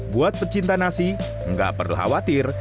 buat pecinta nasi nggak perlu khawatir